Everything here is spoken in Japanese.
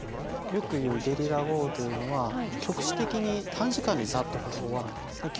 よく言うゲリラ豪雨というのは局地的に短時間にザッと降る大雨なんですね。